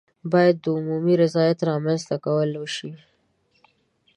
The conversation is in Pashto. باید د عمومي رضایت رامنځته کول وشي.